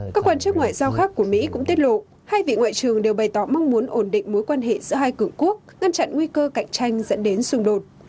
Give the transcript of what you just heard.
các quan chức ngoại giao khác của mỹ cũng tiết lộ hai vị ngoại trưởng đều bày tỏ mong muốn ổn định mối quan hệ giữa hai cường quốc ngăn chặn nguy cơ cạnh tranh dẫn đến xung đột